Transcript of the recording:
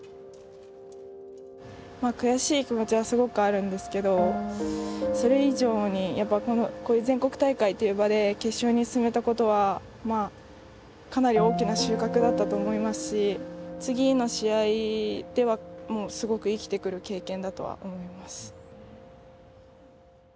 悔しい気持ちはすごくあるんですけどそれ以上にこういう全国大会という場で決勝に進めたことはかなり大きな収穫だったと思いますし次の試合ではすごく生きてくる経験だとは思います。